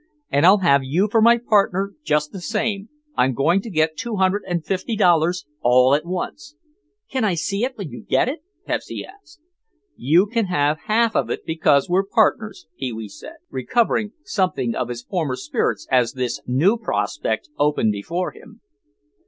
And I'll have you for my partner just the same. I'm going to get two hundred and fifty dollars all at once." "Can I see it when you get it?" Pepsy asked. "You can have half of it because we're partners," Pee wee said, recovering something of his former spirits as this new prospect opened before him.